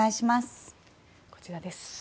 こちらです。